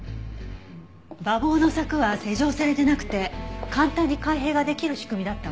馬房の柵は施錠されてなくて簡単に開閉ができる仕組みだったわ。